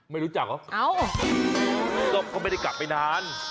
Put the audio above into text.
ไม่รู้จักเหรอก็เขาไม่ได้กลับไปนาน